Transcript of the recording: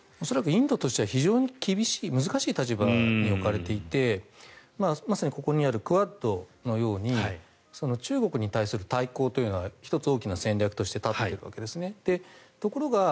恐らくインドとしては非常に厳しい、難しい立場に置かれていてまさにここにあるクアッドのように中国に対する対抗というのは１つ、大きな戦略として立てているわけですね。